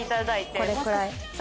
これぐらい？